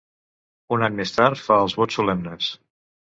Un any més tard, fa els vots solemnes.